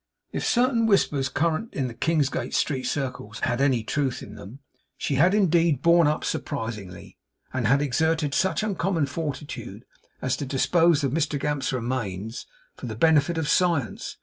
If certain whispers current in the Kingsgate Street circles had any truth in them, she had indeed borne up surprisingly; and had exerted such uncommon fortitude as to dispose of Mr Gamp's remains for the benefit of science.